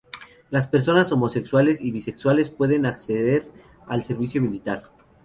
Las personas homosexuales y bisexuales pueden acceder al servicio militar.